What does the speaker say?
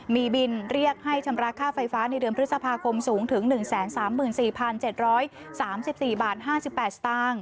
มีบินเรียกให้ชำระค่าไฟฟ้าในเดือนพฤษภาคมสูงถึง๑๓๔๗๓๔บาท๕๘สตางค์